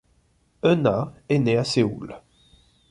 Eunha est née à Séoul.